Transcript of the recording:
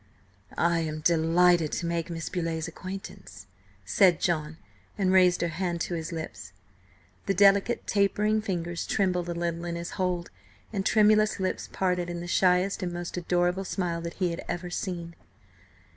"I am delighted to make Miss Beauleigh's acquaintance," said John, and raised her hand to his lips. The delicate, tapering fingers trembled a little in his hold, and tremulous lips parted in the shyest and most adorable smile that he had ever seen.